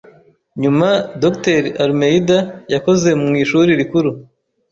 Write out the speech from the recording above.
Nyuma Dr Almeida yakoze mu ishuri rikuru